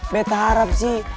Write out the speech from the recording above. betah harap sih